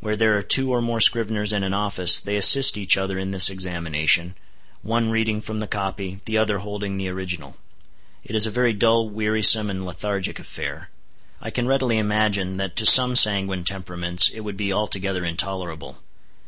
Where there are two or more scriveners in an office, they assist each other in this examination, one reading from the copy, the other holding the original. It is a very dull, wearisome, and lethargic affair. I can readily imagine that to some sanguine temperaments it would be altogether intolerable.